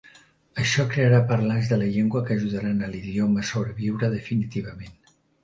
Això crearà parlants de la llengua que ajudaran a l'idioma sobreviure definitivament.